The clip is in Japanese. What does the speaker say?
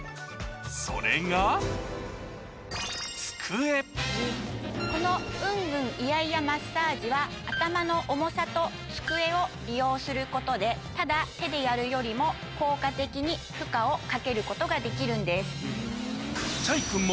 それが頭の重さと机を利用することでただ手でやるよりも効果的に負荷をかけることができるんです。